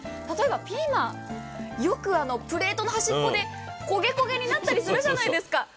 例えばピーマン、よくプレートの端っこで焦げ焦げになったりするじゃないですか。